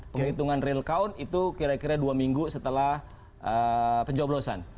penghitungan real count itu kira kira dua minggu setelah pencoblosan